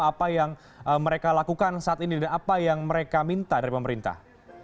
apa yang mereka lakukan saat ini dan apa yang mereka minta dari pemerintah